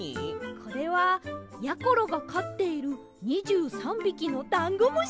これはやころがかっている２３びきのダンゴムシたちです！